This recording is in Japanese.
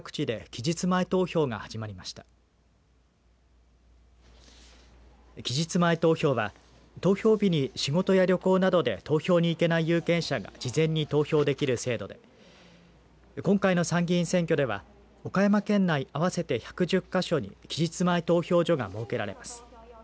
期日前投票は投票日に仕事や旅行などで投票に行けない有権者が事前に投票できる制度で今回の参議院選挙では岡山県内、合わせて１１０か所に期日前投票所が設けられます。